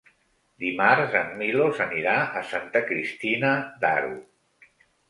Dimarts en Milos anirà a Santa Cristina d'Aro.